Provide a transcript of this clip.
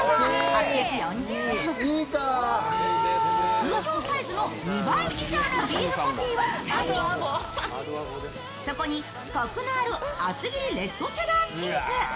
通常サイズの２倍以上のビーフパティを使い、そこにコクのある厚切りレッドチェダーチーズ。